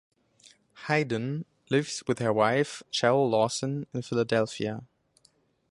Higdon lives with her wife Cheryl Lawson in Philadelphia.